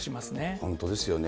本当ですよね。